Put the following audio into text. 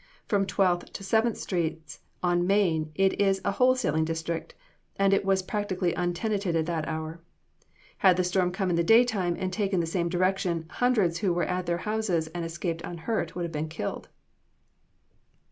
From Twelfth to Seventh streets on Main it is a wholesaling district, and it was practically untenanted at that hour. Had the storm come in the daytime and taken the same direction, hundreds who were at their houses and escaped unhurt would have been killed.